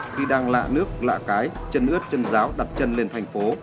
khi đang lạ nước lạ cái chân ướt chân giáo đặt chân lên thành phố